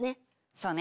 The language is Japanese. そうね。